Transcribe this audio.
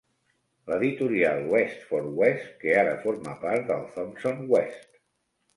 L"editorial West for West, que ara forma part de Thomson West.